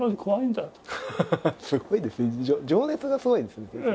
すごいですね。